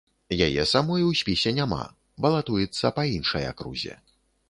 Яе самой у спісе няма, балатуецца па іншай акрузе.